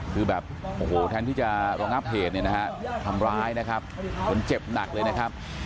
คือแบบโอ้โหแทนที่จะระงับเหตุเนี่ยนะฮะทำร้ายนะครับคนเจ็บหนักเลยนะครับ